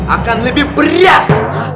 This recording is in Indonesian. akan lebih beras